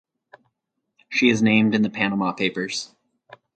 She is named in the Panama Papers.